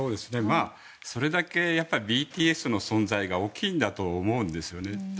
それだけＢＴＳの存在が大きいんだと思うんですよね。